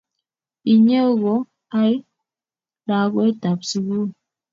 Inye ko I lakwetab sugul